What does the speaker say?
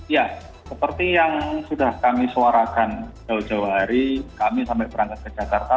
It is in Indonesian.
ya seperti yang sudah kami suarakan jauh jauh hari kami sampai berangkat ke jakarta